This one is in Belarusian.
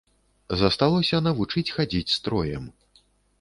Засталося навучыць хадзіць строем.